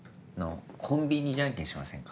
コンビニじゃんけんしませんか？